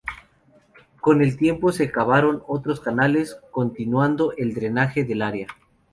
Con el tiempo se cavaron otros canales, continuando el drenaje del área.